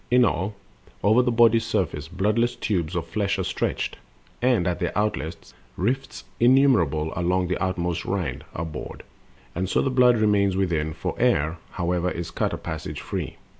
In all, Over the body's surface, bloodless tubes Of flesh are stretched, and, at their outlets, rifts Innumerable along the outmost rind Are bored; and so the blood remains within; For air, however, is cut a passage free.